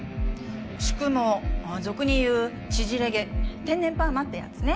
縮毛俗に言う縮れ毛天然パーマってやつね。